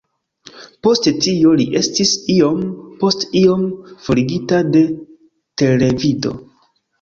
Post tio, li estis iom post iom forigita de televido.